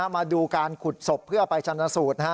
มาดูการขุดศพเพื่อไปชนะสูตร